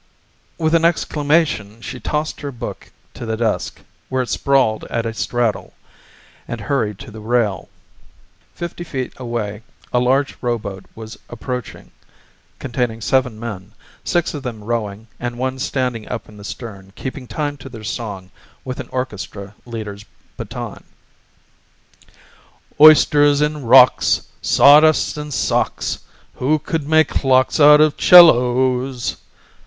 With an exclamation she tossed her book to the desk, where it sprawled at a straddle, and hurried to the rail. Fifty feet away a large rowboat was approaching containing seven men, six of them rowing and one standing up in the stern keeping time to their song with an orchestra leader's baton. "Oysters and Rocks, Sawdust and socks, Who could make clocks Out of cellos?